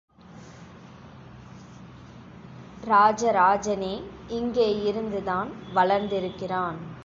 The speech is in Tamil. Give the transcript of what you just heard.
ராஜராஜனே இங்கே இருந்துதான் வளர்ந்திருக்கிறான்.